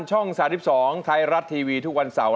ช่องสาธิบสองไทรัตทีวีทุกวันเสาร์